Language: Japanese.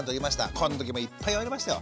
この時もいっぱい言われましたよ。